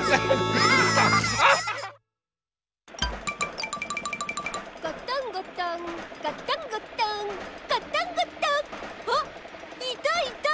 あっいたいた！